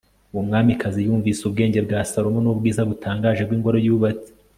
uwo mwamikazi yumvise ubwenge bwa salomo n'ubwiza butangaje bw'ingoro yubatse